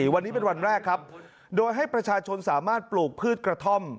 วันนี้เป็นวันแรกครับโดยให้ประชาชนสามารถปลูกพืชกระท่อม